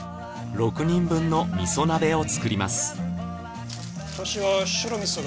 ６人分の味噌鍋を作ります。